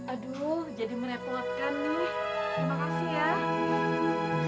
aduh jadi merepotkan nih